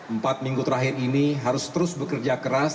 empat minggu terakhir ini harus terus bekerja keras